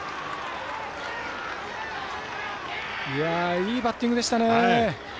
いいバッティングでしたね！